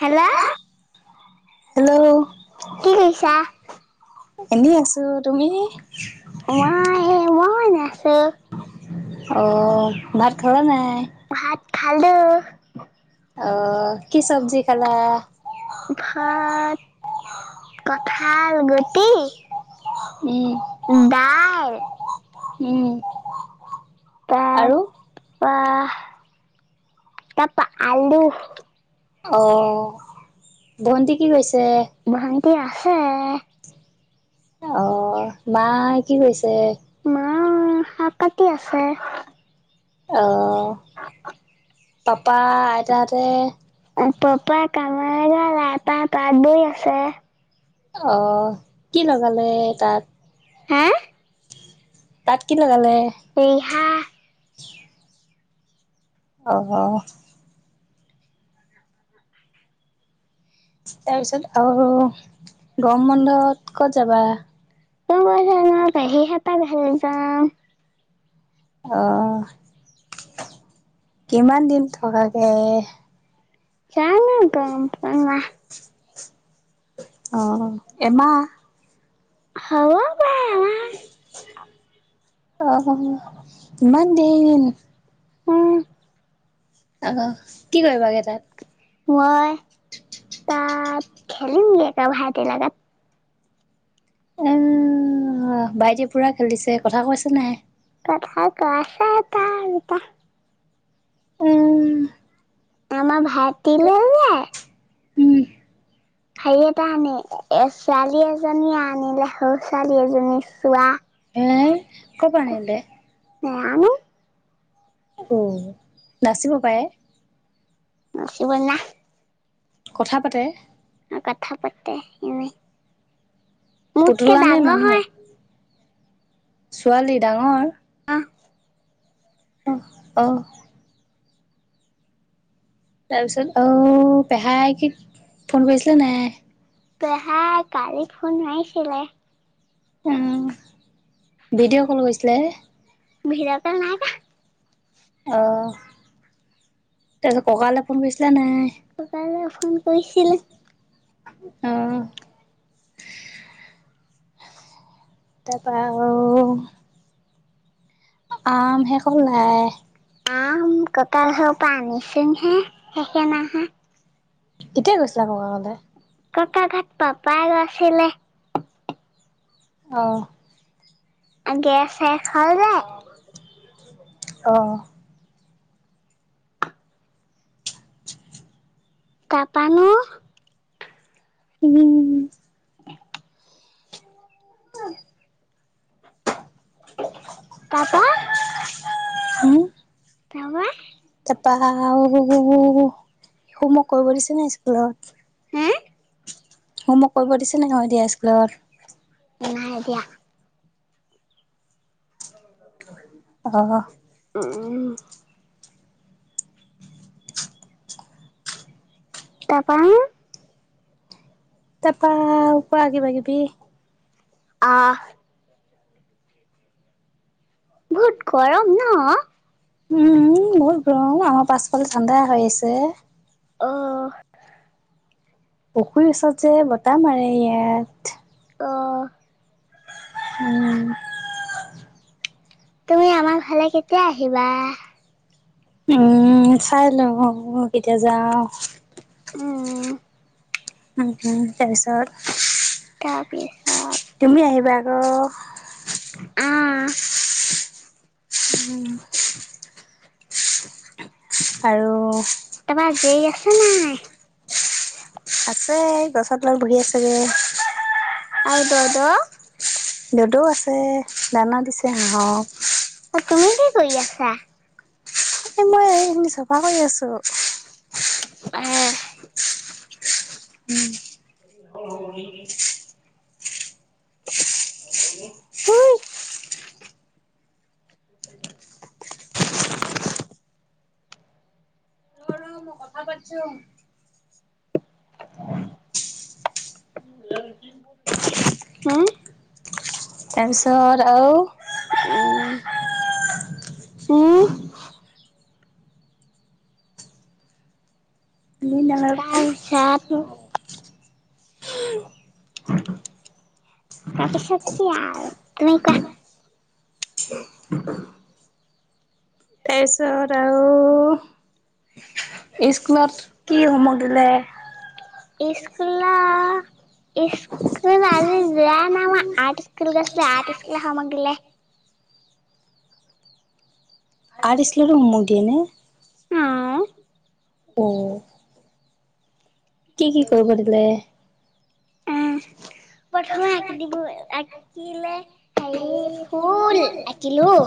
হেল hello কৰিছা? এনেই আছো তুমি? মাই মই নাছো অ', ভাত খালা নাই? ভাত খালো অ', কি চব্জি খালা ঘৰত কঠাল গুটি উম, ডাই উম আৰু প তাৰপ আলু অ', ন্টি কি কৈছে এ আছে অ', মা কি কৰিছে মা শাক পাতি আছে আহ পাপা আইতাহতে পপা কামৰে গ তাৰ পাত দুই আছে অ', কি লগালে তাত হে তাত, কি লগালে। ইহা অহ, তাৰপিছত আৰু গমৰ বন্ধত ক'ত যাবা। ফুৰিবলৈ মই পেহি‌ হত'ৰ ঘৰত যায়। আহ', কিমান দিন থকাকে। জানো‌ গম পোৱা নই। অ', এমাহ। হ'ব পাৰে। আমাৰ অ', ইমান দেৰি। উম', আহ', কি কৰিবা গৈ তাত। মই তাত খেলিমগৈ, ভাইটি লগত। উম', ভাইটি পুৰা খেলিছে কথা কৈছে ন, নাই। কথা, কৈছে এটা-দুটা। উম, আমাৰ ভাইটিলে যে উম, হেৰি এটা আনি এ, ছোৱালী এজনী আনিলে সৰু ছোৱালী এজনী চোৱা। হে ক'ৰ পৰা আনিলে। নাযানো। উম', নাচিব পাৰে নাচিব নোৱাৰে। কথা পাতে কথা পাতে এনেই মোতকে পুতলা নে ডাঙৰ মানুহ? হয়। ছোৱালী ডাঙৰ? [unintelligible] উম', ও তাৰপিছত অ', পেহাই কি ফোন কৰিছিলে নাই? পেহাই কালি ফোন মাৰিছিলে। উম', ভিডিঅ' কল কৰিছিলে ভিডিঅ' কল নাই কৰা। অ', তাৰপিছত ককা লে ফোন কৰিছিল নে নাই? ককা লে ফোন কৰিছিলো। আহ তাৰ পৰা আৰু আম শেষ হ'ল নে নাই। আম ককাৰ ঘৰৰ পৰা আনিছোঁ হে শেষে নহয়। কেতিয়া গৈছিলা ককা ঘৰলে? ককা ঘৰত পাপা গৈছিলে। আহঁ গেছ শেষ হ'ল যে অ', তাৰপা নো উম', [unintelligible] তাৰ পা? হম', তাৰ পা? পা হোমৱৰ্ক কৰিব দিছে নে স্কুলত হো হোমৱৰ্ কৰিব দিছে নাই আৰু এতিয়া স্কুলত? নাইদিয়া। অ' উ', উ' তাৰপা তৰপা কোৱা কিবা কিবি? আহ বহুত গৰম ন' উম' বহুত গৰম আমাৰ পাছফালে ঠাণ্ডা হৈ আছে অ' পুখুৰী ওচৰত যে বতাহ মাৰে ইয়াত। অঁ' উম' তুমি আমাৰ ঘলৈ কেতিয়া আহিবা? উম' চাই লও কেতিয়া যাও উম উম' তাৰপিছত তাৰপিছত তুমি আহিবা আকৌ অ উম' আৰু যেই আছে নাই আছে গছৰ তলত বহি আছেগৈ আও দ দ দ দ ও আছে দানা দিছে হাঁহক তুমি কি কৰি আছা এই মই এইিনি চফা কৰি আছো আহ উম লি হুই হা তাৰপিছত আৰু আহ উম তাপিছত তাৰপিছত তাৰপিছত কি আৰু তুমি কোৱা তাৰপিছত আৰু স্কুলত কি হুম ওৱাক দিলে স্কুলত ই্কুল আজি যোৱা নাই ম আৰ্ট স্কুলৰ গৈছো আৰ্ট স্কুলৰ হুমওৱাক দিলে আৰ্ট স্কুলতো হোমৱৰ্ক দিয়ে নে আহ অ কি কি কৰিব দিলে উম প্ৰথমে আঁকি দিলে আঁকিলে হে ফুল আঁকিলো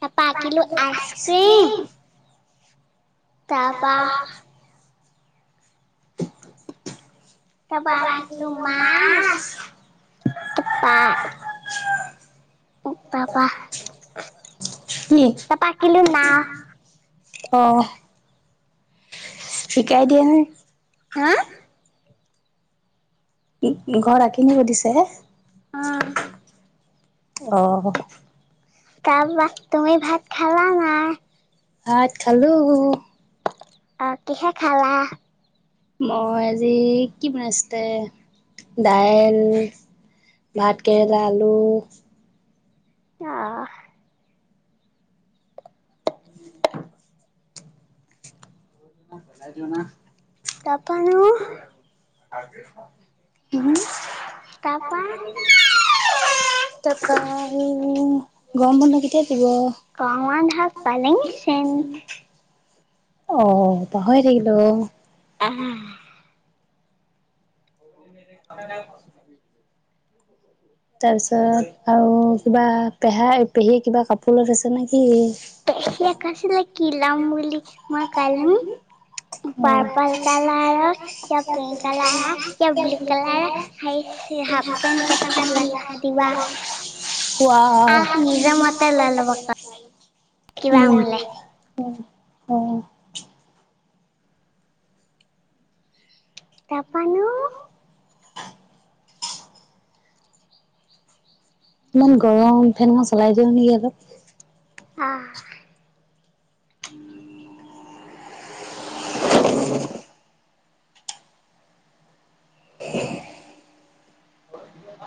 তাৰপা তাৰ আঁকিলো পিছত আইচক্ৰীম আইচক্ৰীিম তাৰপা তাপা আকিলো মাছ তা পা কি [unintelligible] অ। শিকাই দিয়া নাই। হা? ঘৰ আঁকি নিব দিছে। উম অ। তাৰপাৰা তুমি ভাত খালা নাই? ভাত খালো। অ কিহে খালা? মই আজি কি বনাইছিলে দাইল, ভাতকৰেলা, আলু আহ। [unintelligible] [unintelligible] নো [unintelligible] তাৰপৰা [unintelligible] তাৰাপা [unintelligible] গৰম বন্ধ কেতিয়া দিব? [unintelligible] আহ পাহৰি থাকিলো। অহ। [unintelligible] [inaudible] তাত আৰু কিবা পেহাই পেহী কিবা কাপোৰত লগাইছে নেকি? [unintelligible] অ'। পাৰপল কালাৰ, ইয়া পিংক কালাৰ, ইয়া ব্লু কালাৰ হাফ পেণ্ট কেইটামান লগাই দিবা [unintelligible] আৰু নিজৰ মতে লৈ ল'ব [unintelligible] কিবা বুলে উম। অ'। [inaudible] [unintelligible] ইমান গৰম ফেনমান চলাই দিওঁ নেকি অলপ। আহ। [unintelligible]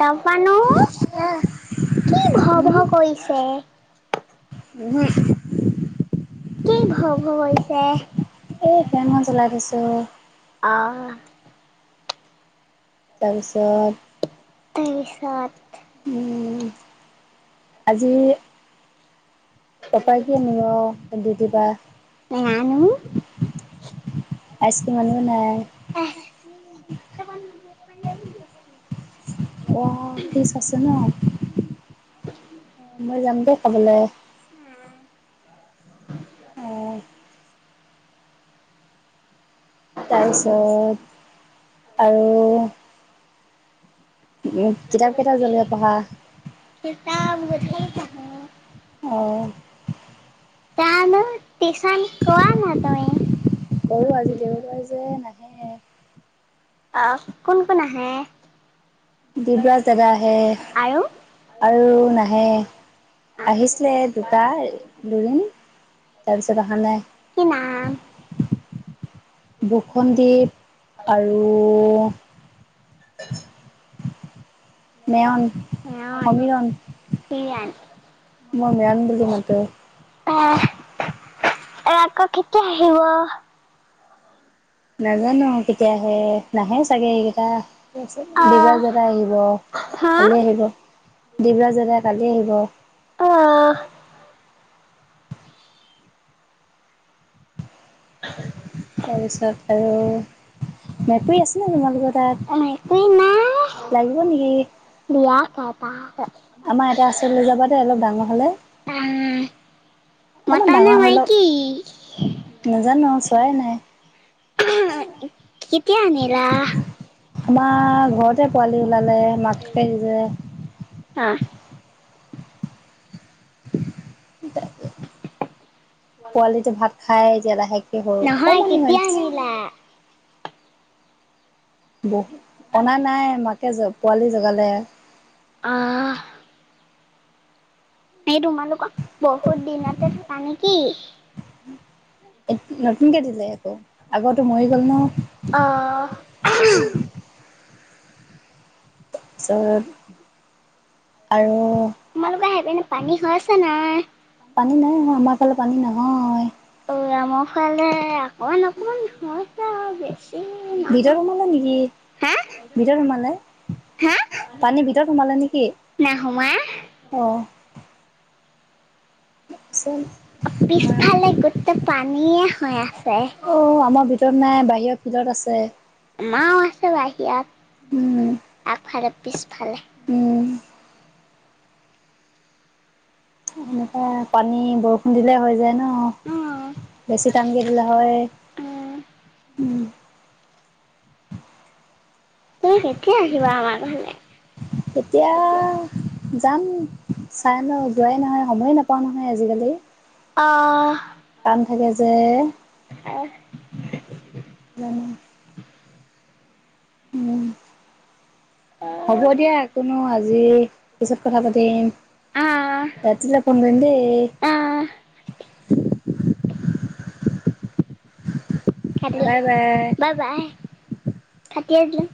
তাৰ পা ন কি ভ ভ কৰিছে? উহম। কি ভ ভ কৰিছে? এই ফেনখন চলাই থৈছোঁ আহ। তাৰপিছত [unintelligible] উম আজি পাপাই কি‌ কিয় আনিব ডিউটি পাৰা? নানো আইচক্ৰীম আনিব নাই? [unintelligible] অ' ফিচ আছে ন। অ', মই যাম দেই খাবলৈ। [unintelligible] অ'। তাৰপিছত আৰু কিতাপ কেইটা বজালৈ পঢ়া? কিতাপ [unintelligible] অ জানো টিউচন কোৱা ন তুমি। কৰোঁ আজি দেওবাৰে যে নাহে। অ', কোন কোন আহ? ডিব্ৰজ দাদা আহে আৰু নাহে। আহিছিলে দুটা দুদিন তাৰপিছত অহা নাই। কি নাম বুসন্দ্বীপ আৰু [unintelligible] মেয়ন অ', সমীৰণ কিয়ান। মই মৰম বুলি মতে। আহ আকৌ কেতিয়া আহিব? নাজানো কেতিয়া আহে নাহে চাগে এইকেইটা। ত আহ দিব্ৰজ দাদা আহিব হা কালি আহিব ডিব্ৰজ দাদা কালি আহিব। অ'। আহ তাৰপিছত আৰু মেকুৰী আছে ন তোমালোকৰ মেকুৰী নাই তাত লাগিব নেকি? বিয়া [unintelligible] আমাৰ এটা আছে লৈ যাবা দে অলপ ডাঙৰ হলে। আহ অকণমান মতা নে ডাঙৰ হৈ লওক মাইকি? নাজানো চোৱাই নাই কেতিয়া আনিলা? আমাৰ ঘৰতে পোৱালি ওলালে মাকাকে সজে। অ ন পোৱালি যে ভাত খাই যে লাহেকে সৰু নহয় অকণমান হৈ কেতিয়া আনিলা বহুত অনা নাই মাকে পোৱালি জগালে অ এই তোমালোকৰ বহুত দিনতে থকা নেকি? এ নতুনকে দিলে আকৌ আগোটো মৰি গ'ল ন [inaudible] অ তাৰপিছত আৰু তোমালোকৰ সেইপিনে পানী হৈছে নাই পানী নাই হোৱা আমাৰ ফালে পানী নহয় মাৰ ফালে অকমান অকমান হৈছে আৰু বেছ ভিতৰ সোমালে নেকি ভিতৰ সোমালে হা পানী ভিতৰত সোমালে নেকি, নাহোৱা অহ চোন পিছফালে গোটেই পানীয়ে হৈ আছে অ' আমাৰ ভিতৰত নাই বাহিৰৰ ফিল্ডত আছে। আমাৰো আছে উম বাহিৰত আগফালে পিছফালে উম এনেকে পানী বৰষুণ দিলে হৈ যায় ন উম অ' বেছি টান কে দিলে হয় উম উম তুমি কেতিয়া আহিবা আমাৰ ঘৰলে কেতিয়া যাম চাই নহ যোৱাই নহয় সময়ে নাপ পোৱা নহয় আজিকালি অ' কাম থাকে যে আহ উম উম হ'ব দিয়া একোনো আজি পিছত কথা পাতিম অ' ৰাতিলে ফোন কৰিমদেই কাতিডিলো বাই বাই কাতিয়ে দিলুং